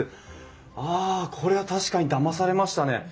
あこれは確かにだまされましたね。